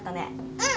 うん。